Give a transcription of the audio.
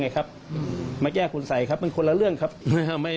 และปฏิเสธที่ครอบครัวฝ่ายหญิงจะแจ้งความรัก